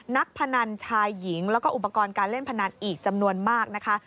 พนันชายหญิงแล้วก็อุปกรณ์การเล่นพนันอีกจำนวนมากนะคะ